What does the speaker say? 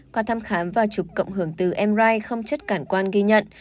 qua thăm khám và chụp cộng hưởng từ mri không chất cản quan ghi nhận